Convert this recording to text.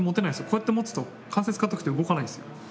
こうやって持つと関節硬くて動かないんですよ。